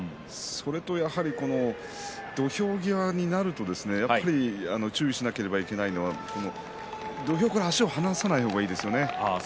それと土俵際になるとやっぱり注意しなければいけないのは土俵際から足を離さない方がいいですよね。